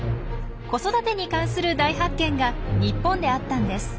子育てに関する大発見が日本であったんです。